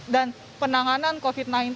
dan penanganan covid sembilan belas